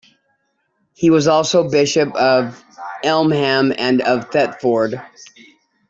He was also bishop of Elmham and of Thetford.